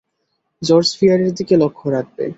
George ফিয়ারের দিকে লক্ষ্য রাখবে।